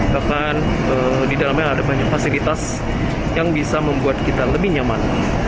bahkan di dalamnya ada banyak fasilitas yang bisa membuat kita lebih nyaman